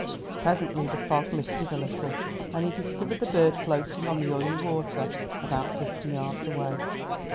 Presently the fog lifted a little, and he discovered the bird floating on the oily water about fifty yards away.